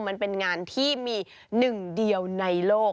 มันเป็นงานที่มีหนึ่งเดียวในโลก